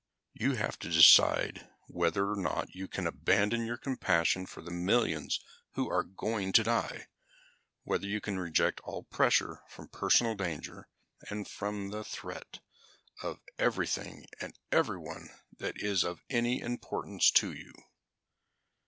"You have to decide whether or not you can abandon your compassion for the millions who are going to die; whether you can reject all pressure from personal danger, and from the threat to everything and everyone that is of any importance to you.